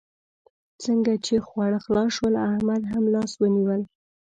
څنګه چې خواړه خلاص شول؛ احمد هم لاس ونيول.